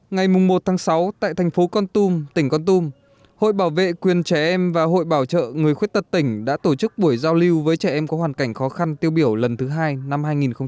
ngày một sáu tại thành phố con tum tỉnh con tum hội bảo vệ quyền trẻ em và hội bảo trợ người khuyết tật tỉnh đã tổ chức buổi giao lưu với trẻ em có hoàn cảnh khó khăn tiêu biểu lần thứ hai năm hai nghìn một mươi chín